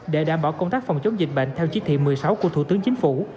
để đảm bảo công tác phòng chống dịch bệnh theo chí thị một mươi sáu của thủ tướng chính phủ